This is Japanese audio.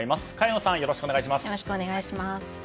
茅野さん、よろしくお願いします。